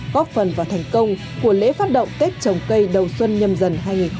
góp phần vào thành công của lễ phát động tết trồng cây đầu xuân nhâm dần hai nghìn hai mươi bốn